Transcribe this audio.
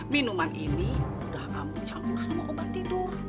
minuman ini udah kamu campur sama obat tidur